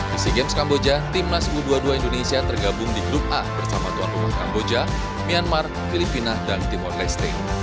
di sea games kamboja timnas u dua puluh dua indonesia tergabung di grup a bersama tuan rumah kamboja myanmar filipina dan timor leste